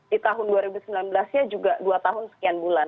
di tahun dua ribu sembilan belas nya juga dua tahun sekian bulan